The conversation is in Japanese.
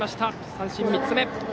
三振３つ目。